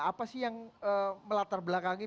apa sih yang melatar belakangi